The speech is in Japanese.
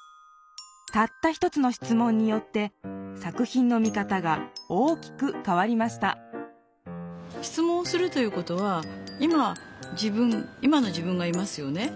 「たった一つの質問」によって作品の見方が大きくかわりました質問をするということは今の自分がいますよね。